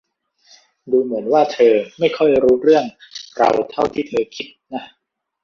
ดูเหมือนว่าเธอไม่ค่อยรู้เรื่องเราเท่าที่เธอคิดนะ